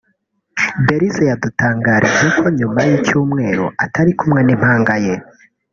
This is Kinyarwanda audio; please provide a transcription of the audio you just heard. Belise yadutangarije ko nyuma y'icyumweru atari kumwe n'impanga ye